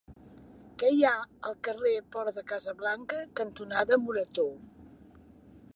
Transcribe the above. Què hi ha al carrer Port de Casablanca cantonada Morató?